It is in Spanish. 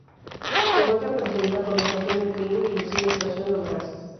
Se encuentra precedida por la Estación El Pingo y le sigue Estación Las Garzas.